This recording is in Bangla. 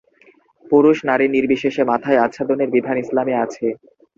পুরুষ-নারী নির্বিশেষে মাথায় আচ্ছাদনের বিধান ইসলামে আছে।